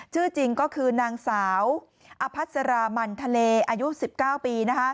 ชื่อจริงก็คือนางสาวอภัสรามันทะเลอายุ๑๙ปี